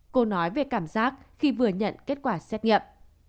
cô nói về cảm giác khi vừa nhận kết quả xét nghiệm